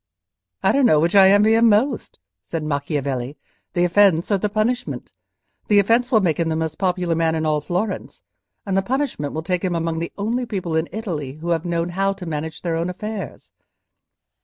"I don't know which I envy him most," said Macchiavelli, "the offence or the punishment. The offence will make him the most popular man in all Florence, and the punishment will take him among the only people in Italy who have known how to manage their own affairs."